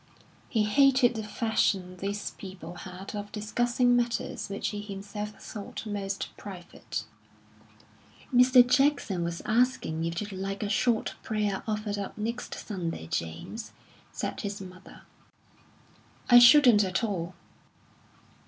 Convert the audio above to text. He hated the fashion these people had of discussing matters which he himself thought most private. "Mr. Jackson was asking if you'd like a short prayer offered up next Sunday, James," said his mother. "I shouldn't at all."